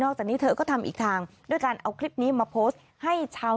จากนี้เธอก็ทำอีกทางด้วยการเอาคลิปนี้มาโพสต์ให้ชาว